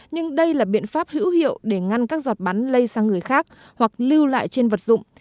nhưng đây là biện pháp hữu hiệu để ngăn các giọt bắn lây sang người khác hoặc lưu lại trên vật dụng